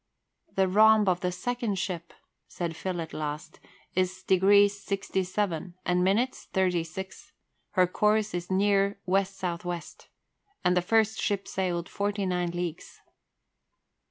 "The rhomb of the second ship," said Phil at last, "is degrees sixty seven, and minutes thirty six. Her course is near west south west. And the first ship sailed forty nine leagues."